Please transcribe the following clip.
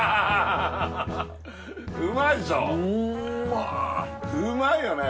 うまいよね。